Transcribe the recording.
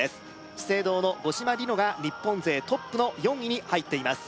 資生堂の五島莉乃が日本勢トップの４位に入っています